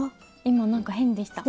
今なんか変でした。